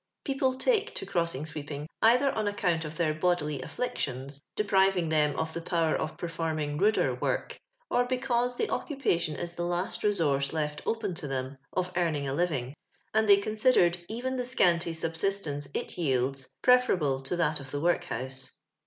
People take to crossing sweeping either on account of tlieir bodily afflictions, depriving them of the power of x>erforming ruder work, or because tho occupation is tho last resource left open to them of earning a living, nnd they considered even the scanty sub^istene6 it yields preferable to tliat of the work house.